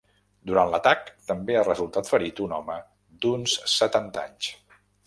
Durant l’atac també ha resultat ferit un home d’uns setanta anys.